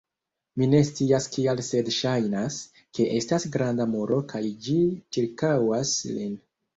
Mi ne scias kial sed ŝajnas, ke estas granda muro kaj ĝi ĉirkaŭas lin